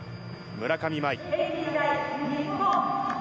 村上茉愛。